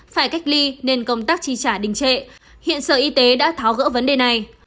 phải cách ly nên công tác chi trả đình trệ hiện sở y tế đã tháo gỡ vấn đề này